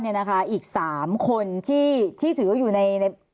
หรือว่าอีก๓คนที่ถืออยู่ใน